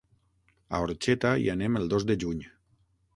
A Orxeta hi anem el dos de juny.